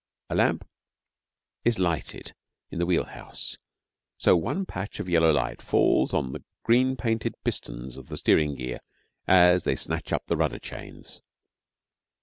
A lamp is lighted in the wheel house; so one patch of yellow light falls on the green painted pistons of the steering gear as they snatch up the rudder chains.